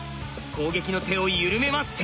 攻撃の手を緩めません。